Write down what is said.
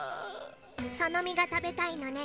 そのみがたべたいのね？